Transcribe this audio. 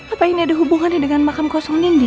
apa ini ada hubungannya dengan makam kosong nindi